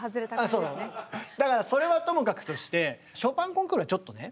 そうなのだからそれはともかくとしてショパン・コンクールはちょっとね。